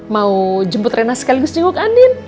mau jemput rena sekaligus jenguk andin